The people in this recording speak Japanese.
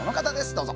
どうぞ。